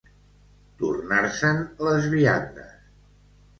Tornar-se'n les viandes.